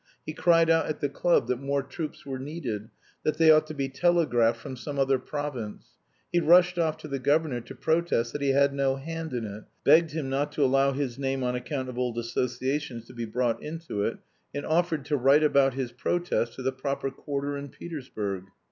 He cried out at the club that more troops were needed, that they ought to be telegraphed for from another province; he rushed off to the governor to protest that he had no hand in it, begged him not to allow his name on account of old associations to be brought into it, and offered to write about his protest to the proper quarter in Petersburg.